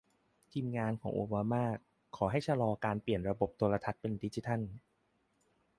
ทีมงานของโอบามาขอให้ชะลอการเปลี่ยนระบบโทรทัศน์เป็นดิจิทัล